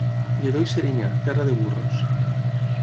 Lledó i Serinyà, terra de burros.